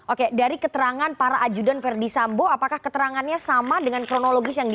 oke dari keterangan para ajudan verdi sambo apakah keterangannya sama dengan kronologis yang di